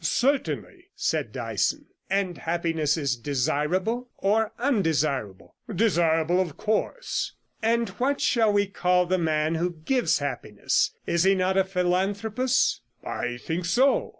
'Certainly,' said Dyson. 'And happiness is desirable or undesirable?' 'Desirable, of course.' 'And what shall we call the man who gives happiness? Is he not a philanthropist?' 'I think so.'